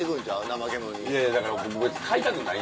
ナマケモノに。